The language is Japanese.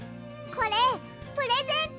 これプレゼント。